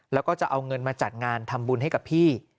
แล้วก็จะเอาเงินมาจัดงานทำบุญให้กับพี่